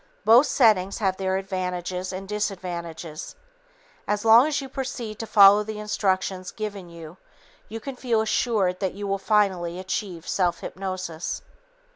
Both settings have their advantages and disadvantages. As long as you proceed to follow the instructions given you, you can feel assured that you will finally achieve self hypnosis.